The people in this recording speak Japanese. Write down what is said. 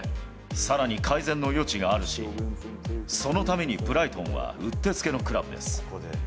さらに改善の余地があるし、そのためにブライトンはうってつけのクラブです。